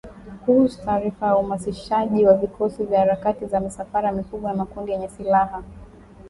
kuhusu taarifa ya uhamasishaji wa vikosi na harakati za misafara mikubwa ya makundi yenye silaha